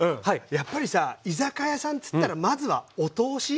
やっぱりさ居酒屋さんつったらまずはお通し。